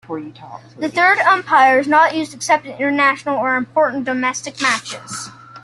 The Third Umpire is not used except in international or important domestic matches.